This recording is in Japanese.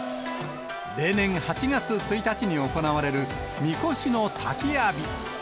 例年８月１日に行われるみこしの滝浴び。